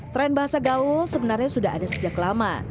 tren bahasa gaul sebenarnya sudah ada sejak lama